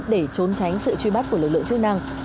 để trốn tránh sự truy bắt của lực lượng chức năng